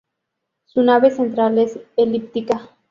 Su nave central es elíptica.